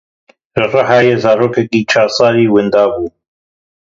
Li Rihayê zarokekî çar salî wenda bû.